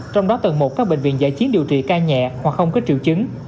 trong đó tầng một các bệnh viện giải chiến điều trị ca nhẹ hoặc không có triệu chứng